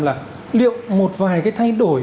là liệu một vài cái thay đổi